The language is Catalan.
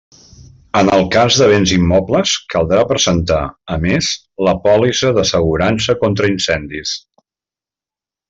En el cas de béns immobles, caldrà presentar, a més, la pòlissa d'assegurança contra incendis.